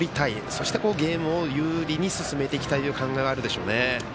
そして、ゲームを有利に進めていきたいという考えはあるでしょうね。